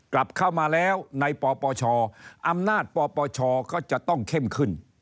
กลับเข้ามาแล้วในปปชอำนาจปปชก็จะต้องเข้มขึ้น